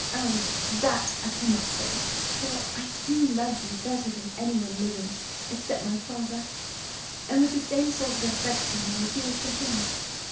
Oh! that I cannot say; for I do love you better than any one living except my father, and with the same sort of affection that I feel for him.